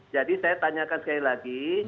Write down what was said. jadi saya tanyakan sekali lagi